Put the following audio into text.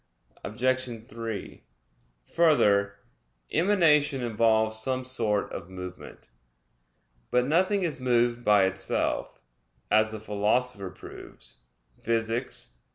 Obj. 3: Further, emanation involves some sort of movement. But nothing is moved by itself, as the Philosopher proves (Phys.